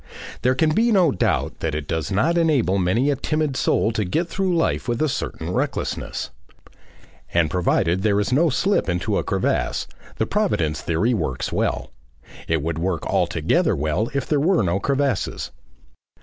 There can be no doubt that it does enable many a timid soul to get through life with a certain recklessness. And provided there is no slip into a crevasse, the Providence theory works well. It would work altogether well if there were no crevasses.